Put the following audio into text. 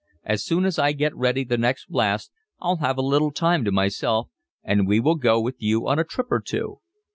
"As soon as I get ready the next blast I'll have a little time to myself, and we will go with you on a trip or two."